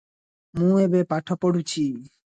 ମୁଁ ଏବେ ପାଠ ପଢୁଛି।